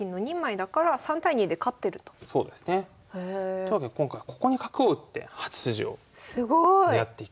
というわけで今回ここに角を打って８筋を狙っていく。